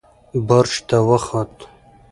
برج ته وخوت.